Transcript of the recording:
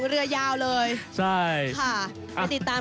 หรือด้วยนะ